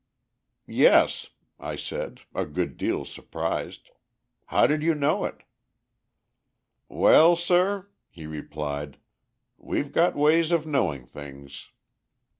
"Yes," I said, a good deal surprised. "How did you know it?" "Well, sir," he replied, "we've got ways of knowing things."